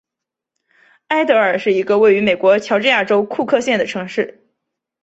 艾得尔是一个位于美国乔治亚州库克县的城市。